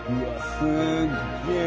すっげえ！